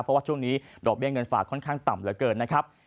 เพราะว่าช่วงนี้ดอกเบี้ยเงินฝากค่อนข้างต่ำเหลือเกินนะครับ